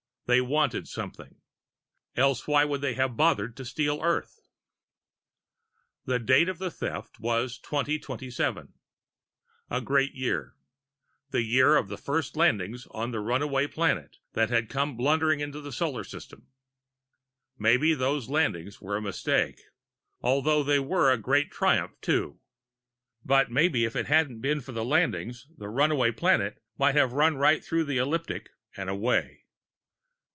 They wanted something else why would they have bothered to steal the Earth? The date of the theft was 2027. A great year the year of the first landings on the Runaway Planet that had come blundering into the Solar System. Maybe those landings were a mistake although they were a very great triumph, too; but maybe if it hadn't been for the landings, the Runaway Planet might have run right through the ecliptic and away.